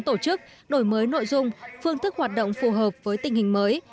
tổ chức đổi mới nội dung phương thức hoạt động phù hợp với tình hình mới